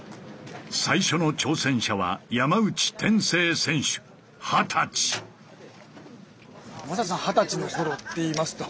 最初の挑戦者は魔裟斗さん二十歳のころっていいますと。